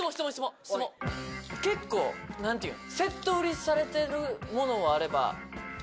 結構何て言うの？